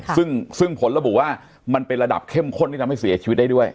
ซึ่งผลระบุว่ามันเป็นระดับเข้มข้นที่ทำให้เสียชีวิตได้ด้วย